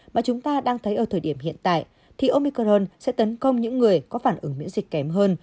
mà chúng ta đang thấy ở thời điểm hiện tại thì omicron sẽ tấn công những người có phản ứng miễn dịch kém hơn